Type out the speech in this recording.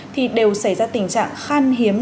thì đều xảy ra tình trạng khan hiếm